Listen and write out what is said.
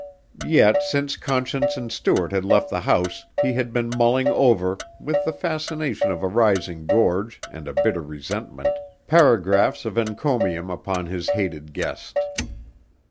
Yet since Conscience and Stuart had left the house he had been mulling over, with the fascination of a rising gorge and a bitter resentment, paragraphs of encomium upon his hated guest.